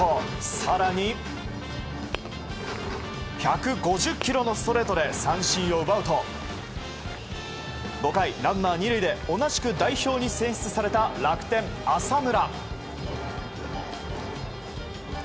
更に１５０キロのストレートで三振を奪うと５回、ランナー２塁で同じく代表に選出された楽天、浅村。